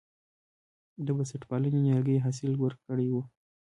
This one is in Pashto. د بنسټپالنې نیالګي حاصل ورکړی و.